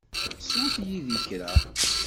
Swet yid-i kra.